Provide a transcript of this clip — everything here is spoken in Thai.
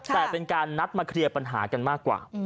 แต่เป็นการนัดมาเคลียร์ปัญหากันมากกว่า